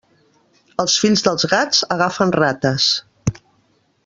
Els fills dels gats agafen rates.